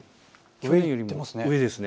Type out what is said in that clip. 去年よりも上です。